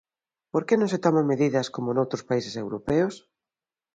Por que non se toman medidas como noutros países europeos?